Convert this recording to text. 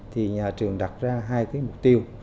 thì nhà trường đặt ra hai cái mục tiêu